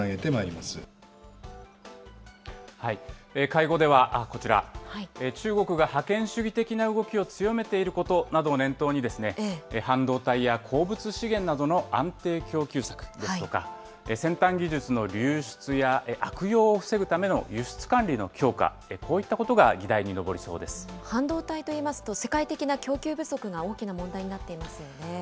会合では、こちら、中国が覇権主義的な動きを強めていることなどを念頭に、半導体や鉱物資源などの安定供給策ですとか、先端技術の流出や悪用を防ぐための輸出管理の強化、こういったこ半導体といいますと、世界的な供給不足が大きな問題になっていますよね。